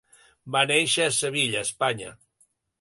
Va néixer a Sevilla, Espanya.